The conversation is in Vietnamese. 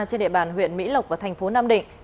trên địa bàn huyện mỹ lộc và thành phố nam định